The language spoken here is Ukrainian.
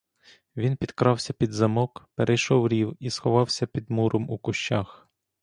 Він підкрався під замок, перейшов рів і сховався під муром у кущах.